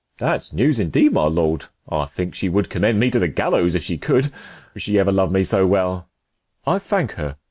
De F. That's news indeed, my lord ; I think she would Commend me to the gallows if she could, She ever lov'd me so well; I thank her.